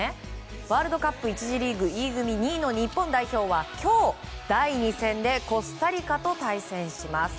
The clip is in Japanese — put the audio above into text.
ワールドカップ１次リーグＥ組２位の日本代表は今日、第２戦でコスタリカと対戦します。